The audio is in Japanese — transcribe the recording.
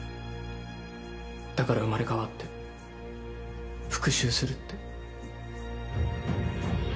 だから生まれ変わって復讐するって。